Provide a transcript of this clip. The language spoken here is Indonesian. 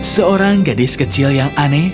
seorang gadis kecil yang aneh